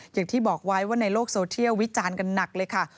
อย่างที่บอกไว้ว่าในโลกโซเทียลวิจารณ์กันหนักเลยค่ะ